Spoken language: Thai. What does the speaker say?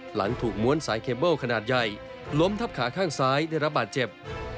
หลังถูกม้วนสายเคเบิ้ลขนาดใหญ่ล้มทับขาข้างซ้ายได้รับบาดเจ็บ